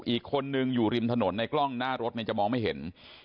อีกคนนึงอยู่ริมถนนในกล้องหน้ารถจะมองไม่เห็น